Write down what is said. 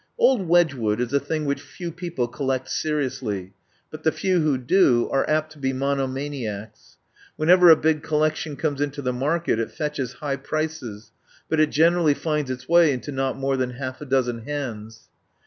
Old Wedgwood is a thing which few people collect seriously, but the few who do are apt to be monomaniacs. Whenever a big collection comes into the market it fetches high prices, but it generally finds its way into not more than half a dozen hands.